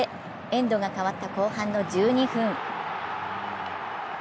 エンドが変わった後半の１２分。